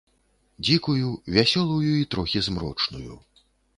Дзікую, вясёлую і трохі змрочную.